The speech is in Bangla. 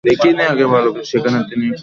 সেখানে তিনি একটি বিদ্রোহ দমন করতে সফল হন।